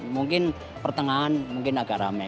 mungkin pertengahan mungkin agak rame